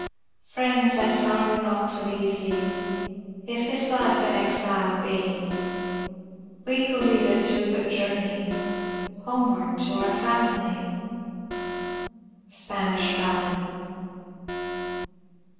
Friends, I sorrow not to leave ye; If this life an exile be, We who leave it do but journey Homeward to our family. Spanish Ballad.